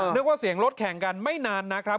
นึกว่าเสียงรถแข่งกันไม่นานนะครับ